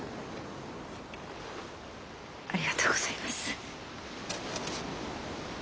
ありがとうございます。